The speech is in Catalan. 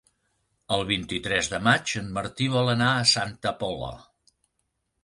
El vint-i-tres de maig en Martí vol anar a Santa Pola.